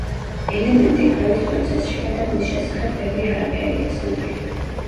ელემენტი კვლევის პროცესშია და მის შესახებ ბევრი არაფერია ცნობილი.